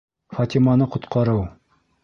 ФАТИМАНЫ ҠОТҠАРЫУ